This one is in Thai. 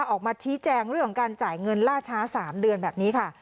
ออกมาชี้แจงเรื่องของการจ่ายเงินล่าช้า๓เดือนแบบนี้ค่ะ